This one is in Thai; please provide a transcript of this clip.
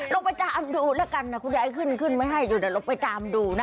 เราไปตามดูกันคุณยายจะขึ้นไม่ให้อยู่เราไปตามดูนะ